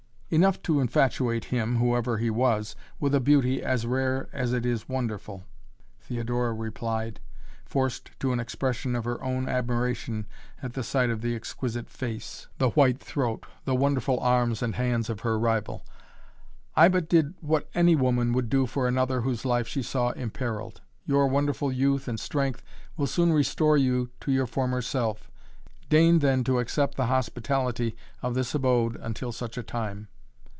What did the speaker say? "Enough to infatuate him, whoever he was, with a beauty as rare as it is wonderful," Theodora replied, forced to an expression of her own admiration at the sight of the exquisite face, the white throat, the wonderful arms and hands of her rival. "I but did what any woman would do for another whose life she saw imperilled. Your wonderful youth and strength will soon restore you to your former self. Deign then to accept the hospitality of this abode until such a time."